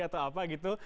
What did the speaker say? atau apa gitu